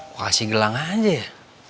kasih gelang aja ya